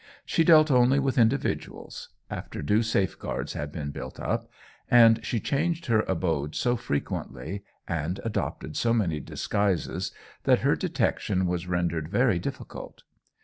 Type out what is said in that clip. She dealt only with individuals, after due safeguards had been built up, and she changed her abode so frequently, and adopted so many disguises, that her detection was rendered very difficult.